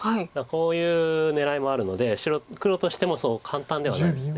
こういう狙いもあるので黒としてもそう簡単ではないです。